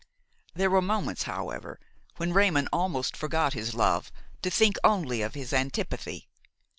There were moments, however, when Raymon almost forgot his love to think only of his antipathy.